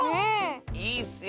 いいッスよ！